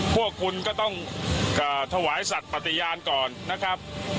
พวกคุณก็ต้องถวายสัตว์ปฏิญาณก่อนนะครับ